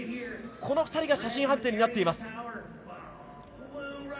この２人が写真判定になっています。